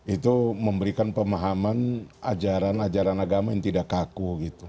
itu memberikan pemahaman ajaran ajaran agama yang tidak kaku gitu